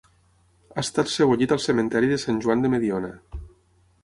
Ha estat sebollit al cementiri de Sant Joan de Mediona.